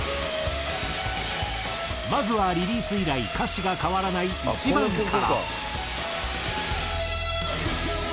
まずはリリース以来歌詞が変わらない１番から。